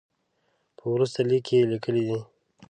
په وروستي لیک کې یې لیکلي دي.